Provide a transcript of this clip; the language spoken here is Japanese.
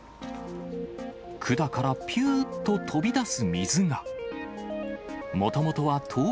管からぴゅーっと飛び出す水が。